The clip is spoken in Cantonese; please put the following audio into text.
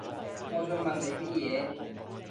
我想問你啲嘢